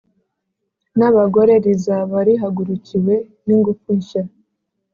n’abagore rizaba rihagurukiwe n’ingufu nshya.